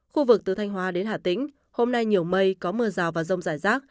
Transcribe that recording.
khu vực từ thanh hóa đến hà tĩnh hôm nay nhiều mây có mưa rào và rông rải rác